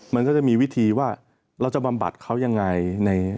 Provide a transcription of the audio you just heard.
มันก็จะมีวิธีว่าเราจะบำบัดเขายังไง